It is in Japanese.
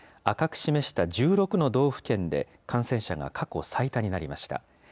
赤く示した１６の道府県で感染者が過去最多になりました。